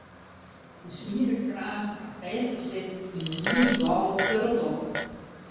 De swiere kraan kaam fêst te sitten yn in ierden wâl op de rotonde.